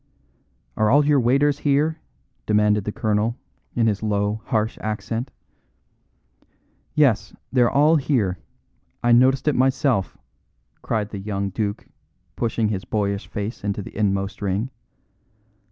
"Are all your waiters here?" demanded the colonel, in his low, harsh accent. "Yes; they're all here. I noticed it myself," cried the young duke, pushing his boyish face into the inmost ring.